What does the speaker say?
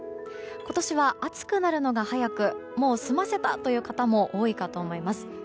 今年は暑くなるのが早くもう済ませたという方も多いかと思います。